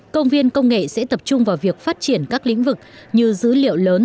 công viên công nghệ sẽ tập trung vào việc phát triển các lĩnh vực như dữ liệu lớn